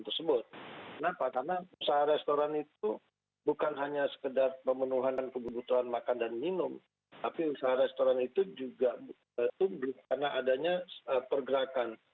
kenapa karena usaha restoran itu bukan hanya sekedar pemenuhan kebutuhan makan dan minum tapi usaha restoran itu juga tumbuh karena adanya pergerakan